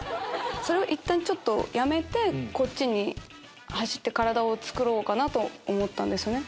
それをいったんやめてこっちに走って体をつくろうかなと思ったんですね。